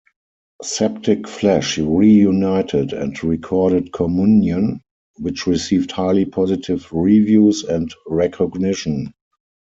Septic Flesh reunited and recorded Communion, which received highly positive reviews and recognition.